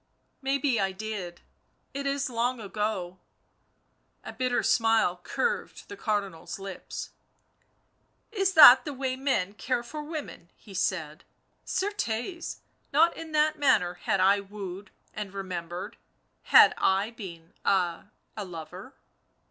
" Maybe I did — it is long ago." A bitter smile curved the Cardinal's lips. <f Is that the way men care for women?" he said. " Certes, not in that manner had I wooed and remem bered, had I been a — a — lover."